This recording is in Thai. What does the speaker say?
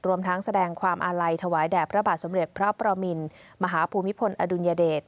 รวมทั้งแสดงความอาลัยถวายแด่พระบาทสมเด็จพระประมินมหาภูมิพลอดุลยเดช